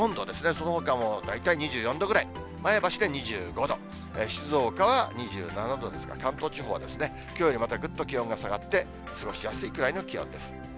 そのほかも大体２４度ぐらい、前橋で２５度、静岡は２７度ですが、関東地方はですね、きょうよりまたぐっと気温が下がって、過ごしやすいくらいの気温です。